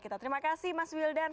terima kasih mas wildan